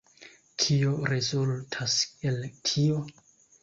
Kio rezultas el tio?